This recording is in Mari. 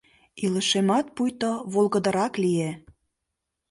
Илышемат пуйто волгыдырак лие.